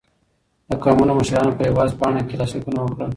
د قومونو مشرانو په یوه عرض پاڼه کې لاسلیکونه وکړل.